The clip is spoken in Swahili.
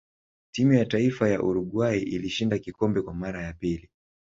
timu ya taifa ya uruguay ilishinda kikombe Kwa mara ya pili